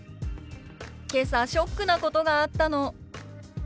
「けさショックなことがあったの」。